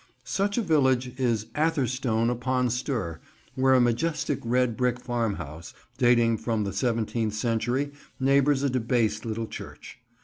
Such a village is Atherstone upon Stour, where a majestic red brick farmhouse, dating from the seventeenth century, neighbours a debased little church.